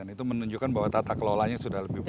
itu menunjukkan bahwa tata kelolanya sudah lebih baik